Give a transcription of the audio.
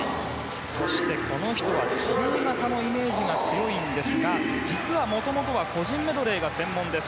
そしてこの人は自由形のイメージが強いんですが実はもともとは個人メドレーが専門です。